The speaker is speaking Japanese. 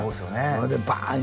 それでバーン！